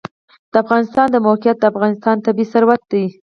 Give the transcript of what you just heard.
د افغانستان د موقعیت د افغانستان طبعي ثروت دی.